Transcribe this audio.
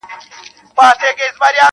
o بلکي د حافظې په ژورو کي نور هم خښېږي,